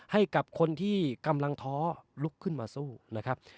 ให้กับคนที่กำลังท้อลุกขึ้นมาสู้นะครับ